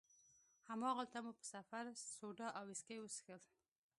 هماغلته مو په نفر سوډا او ویسکي وڅښل.